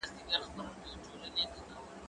کتابتون له کتابتون ښه دی!؟